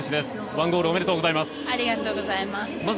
１ゴールおめでとうございます。